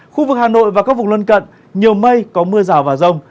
khu vực hà nội và các vùng lân cận nhiều mây có mưa rào và rông